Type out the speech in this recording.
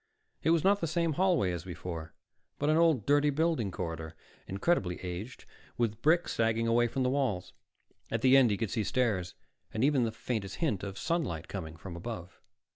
It was not the same hallway as before, but an old, dirty building corridor, incredibly aged, with bricks sagging away from the walls. At the end he could see stairs, and even the faintest hint of sunlight coming from above.